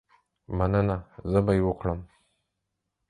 مننه، زه به یې وکړم.